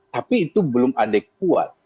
tapi itu belum adekuat